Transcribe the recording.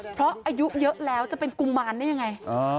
เพราะอายุเยอะแล้วจะเป็นกุมารได้ยังไง